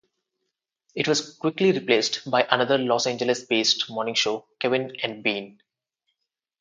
It was quickly replaced by another Los Angeles-based morning show, Kevin and Bean.